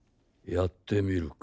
やってみるか。